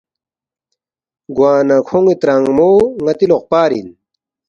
گوانہ کھون٘ی ترانگمو ن٘تی لوقپار اِن